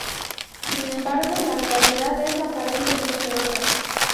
Sin embargo, la realidad es aparentemente otra.